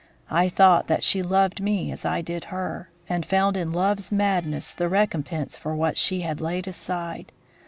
I thought that she loved me as I did her, and found in love's madness the recompense for what she had laid aside.